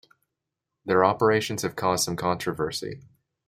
Their operations have caused some controversy.